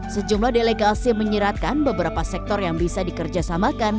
sejumlah delegasi menyeratkan beberapa sektor yang bisa dikerjasamakan